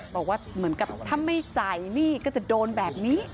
บอกว่าเหมือนกับถ้าไม่จ่ายหนี้ก็จะโดนแบบนี้